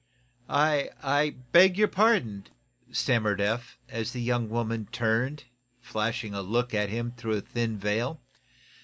"I I beg your pardon," stammered Eph, as the young woman turned, flashing a look at him through a thin veil.